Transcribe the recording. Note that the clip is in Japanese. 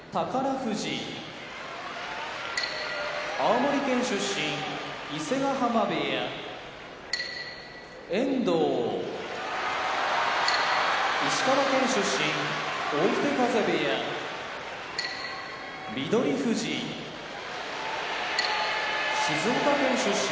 富士青森県出身伊勢ヶ濱部屋遠藤石川県出身追手風部屋翠富士静岡県出身